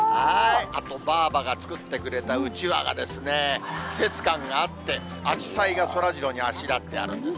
あと、ばあばが作ってくれたうちわがですね、季節感があって、アジサイがそらジローにあしらってあるんですね。